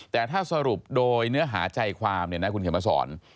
แต่ถ้าสรุปโดยเนื้อหาใจความเนี่ยนะคุณเขียนมาสอน